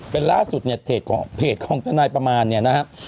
เป็นล่าสุดเนี่ยเพจของเพจของทนายประมาณเนี่ยนะครับ